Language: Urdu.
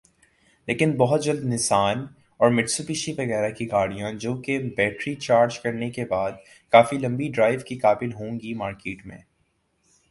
لیکن بہت جلد نسان اور میٹسوبشی وغیرہ کی گاڑیاں جو کہ بیٹری چارج کرنے کے بعد کافی لمبی ڈرائیو کے قابل ہوں گی مارکیٹ میں